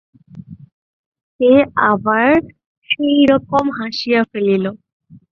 সে আবার সেই রকম হাসিয়া ফেলিল।